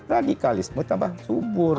radikalisme tambah subur